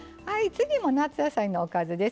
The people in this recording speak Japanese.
次も夏野菜のおかずですね。